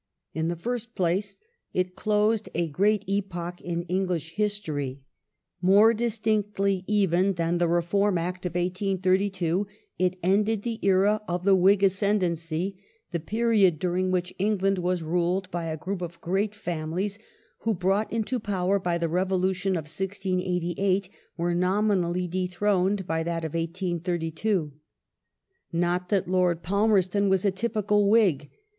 In the first place, it closed a great epoch in English history. More distinctly even than the Reform Act of 1832 it ended the era of Whig ascendancy — the period during which England was ruled by a group of great families who, brought into power by the Re volution of 1688, were nominally dethroned by that of 1832. His place Not that Lord Palmerston was a typical Whig.